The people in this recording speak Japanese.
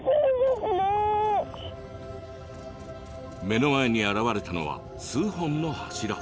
目の前に現れたのは数本の柱。